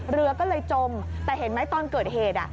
เรือก็เลยจมแต่เห็นไหมตอนเกิดเหตุ